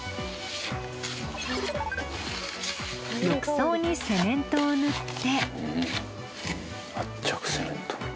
浴槽にセメントを塗って。